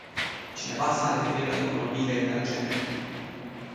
Cineva s-a referit la economiile emergente.